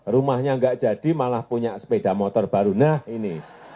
rumahnya nggak jadi malah punya sepeda motor baru nah ini